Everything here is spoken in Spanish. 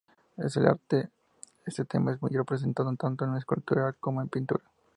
En el arte este tema es muy representado, tanto en escultura como en pintura.